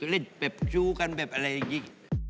เล่นแบบชู้กันแบบอะไรอย่างนี้